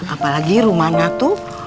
apalagi rumana tuh